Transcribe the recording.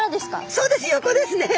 そうです横ですね。